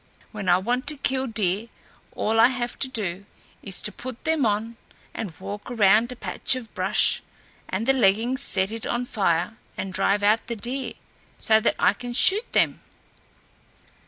When I want to kill deer, all I have to do is to put them on and walk around a patch of brush, and the leggings set it on fire and drive out the deer, so that I can shoot them."